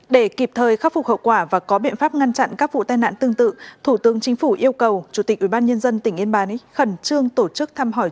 để kịp thời khắc phục hậu quả và có biện pháp ngăn chặn các vụ tai nạn tương tự thủ tướng chính phủ yêu cầu chủ tịch ubnd tỉnh yên bái khẩn trương tổ chức thăm hỏi